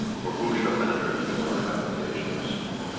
or who shall enter into our habitations?